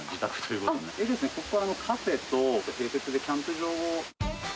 ここはカフェと、併設でキャンプ場を。